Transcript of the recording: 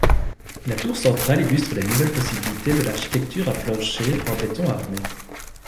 La tour centrale illustre les nouvelles possibilités de l'architecture à plancher en béton armé.